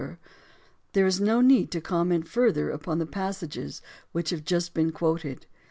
There is no need to comment further upon the pas sages which have just been quoted.